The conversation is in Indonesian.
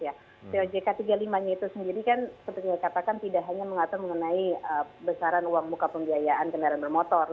ya ojk tiga puluh lima itu sendiri kan seperti yang dikatakan tidak hanya mengatur mengenai besaran uang buka pembiayaan kendaraan bermotor